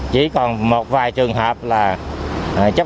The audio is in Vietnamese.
chỉ còn một vài trường hợp là chấp hành